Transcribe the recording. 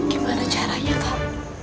gimana caranya kak